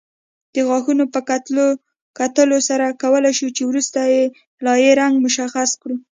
د غاښونو په کتلو سره کولای شو چې وروستۍ لایې رنګ مشخص کړو